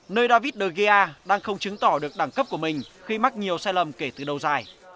nơi david thea đang không chứng tỏ được đẳng cấp của mình khi mắc nhiều sai lầm kể từ đầu dài